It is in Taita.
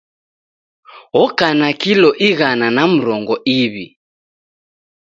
Oka na kilo ighana na murongo iw'i